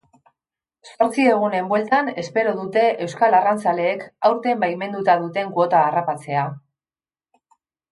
Zortzi egunen bueltan espero dute euskal arrantzaleek aurten baimenduta duten kuota harrapatzea.